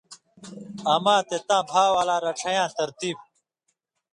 اما تے تاں بھا والا رڇھَیں یاں ترتیب